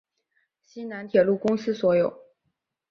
西南铁路公司所有。